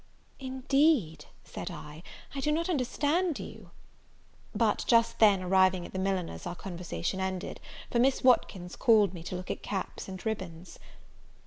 "Indeed," said I, "I do not understand you." But just then arriving at the milliner's our conversation ended; for Miss Watkins called me to look at caps and ribbons.